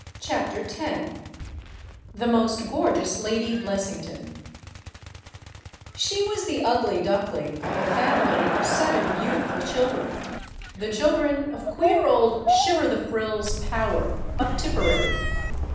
CHAPTER TEN "THE MOST GORGEOUS LADY BLESSINGTON" SHE was the ugly duckling of a family of seven beautiful children the children of queer old "Shiver the Frills" Power, of Tipperary.